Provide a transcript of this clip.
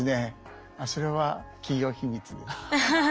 あっそれは企業秘密です。